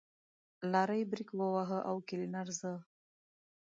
لارۍ برېک وواهه او کلينر زه.